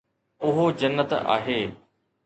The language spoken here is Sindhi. اهو جنت آهي